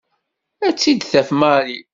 Ad tt-id-taf Mary.